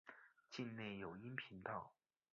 境内有阴平道。